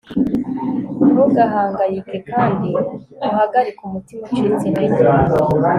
ntugahangayike kandi uhagarike umutima, ucitse intege